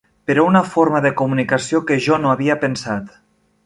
Però una forma de comunicació que jo no havia pensat.